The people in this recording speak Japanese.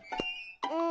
うん。